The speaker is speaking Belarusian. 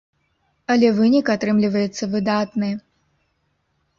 Але вынік атрымліваецца выдатны.